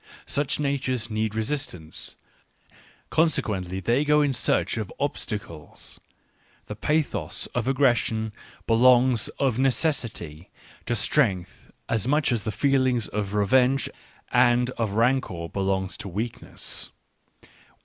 Such natures need resistance, con sequently they go in search of obstacles : the pathos of aggression belongs of necessity to strength as much as the feelings of revenge and of rancour belong to weakness.